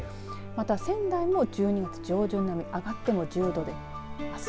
また仙台も１２月上旬並み上がっても１０度です。